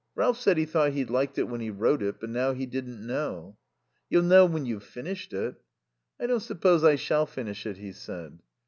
Ralph said he thought he'd liked it when he wrote it, but now he didn't know. "You'll know when you've finished it." "I don't suppose I shall finish it," he said.